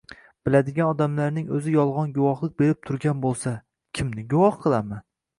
Biladigan odamlarning oʻzi yolgʻon guvohlik berib turgan boʻlsa, kimni guvoh qilaman?